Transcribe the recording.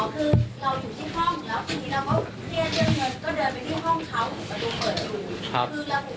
ครับ